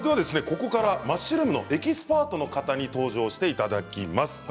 ここからマッシュルームのエキスパートの方に登場していただきます。